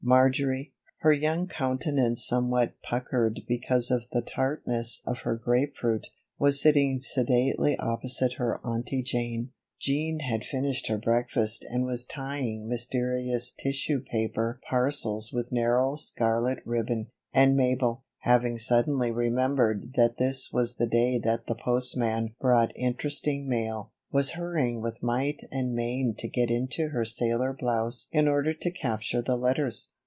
Marjory, her young countenance somewhat puckered because of the tartness of her grapefruit, was sitting sedately opposite her Aunty Jane. Jean had finished her breakfast and was tying mysterious tissue paper parcels with narrow scarlet ribbon; and Mabel, having suddenly remembered that this was the day that the postman brought interesting mail, was hurrying with might and main to get into her sailor blouse in order to capture the letters.